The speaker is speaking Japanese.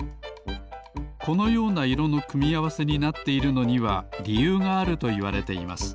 このような色のくみあわせになっているのにはりゆうがあるといわれています